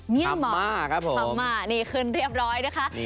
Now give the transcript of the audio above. คัมมาคัมมานี่ขึ้นเรียบร้อยนะคะ